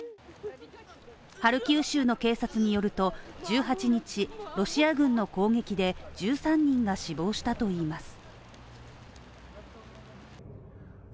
ハルキウ州の警察によると１８日、ロシア軍の攻撃で１３人が死亡したといいます。